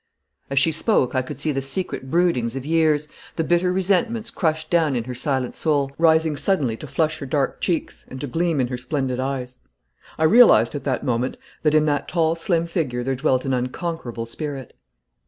As she spoke I could see the secret broodings of years, the bitter resentments crushed down in her silent soul, rising suddenly to flush her dark cheeks and to gleam in her splendid eyes. I realised at that moment that in that tall slim figure there dwelt an unconquerable spirit.